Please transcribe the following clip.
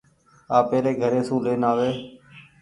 آپيري گهري سون لين آوي ۔